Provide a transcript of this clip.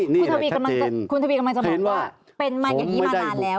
นี่แหละชาวเจนคุณทะพีกำลังจะคุณทะพีกำลังจะบอกว่าเป็นมาอย่างงี้มานานแล้ว